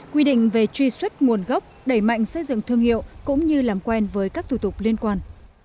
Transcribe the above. quy định về truy xuất nguồn gốc đẩy mạnh xây dựng thương hiệu cũng như làm quen với các thủ tục liên quan